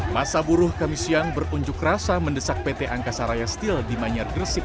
masa buruh kami siang berunjuk rasa mendesak pt angkasa raya steel di manyar gresik